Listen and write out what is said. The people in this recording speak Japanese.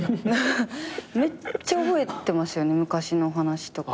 めっちゃ覚えてますよね昔の話とか。